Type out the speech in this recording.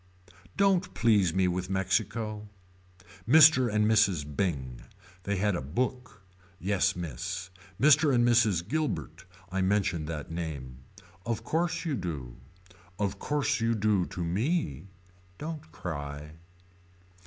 Don't please me with Mexico. Mr. and Mrs. Bing. They had a book. Yes Miss. Mr. and Mrs. Guilbert. I mention that name. Of course you do. Of course you do to me. Don't cry.